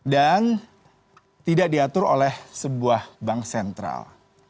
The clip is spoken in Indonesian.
dan tidak diatur oleh sebuah bank sentral